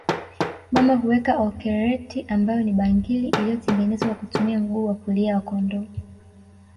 Mama huweka Olkererreti ambayo ni bangili iliyotengenezwa kwa kutumia mguu wa kulia wa kondoo